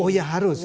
oh ya harus